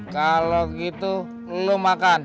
kalau gitu lo makan